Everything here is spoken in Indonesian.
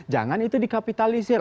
jangan itu dikapitalisir